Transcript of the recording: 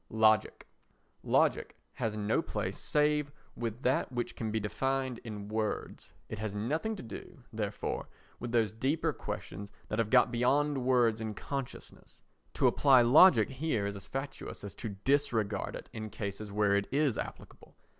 Logic Logic has no place save with that which can be defined in words. It has nothing to do, therefore, with those deeper questions that have got beyond words and consciousness. To apply logic here is as fatuous as to disregard it in cases where it is applicable.